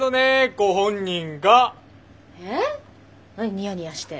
ニヤニヤして。